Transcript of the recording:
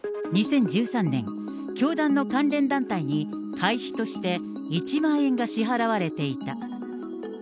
２０１３年、教団関連団体に、会費として１万円が支払われていた。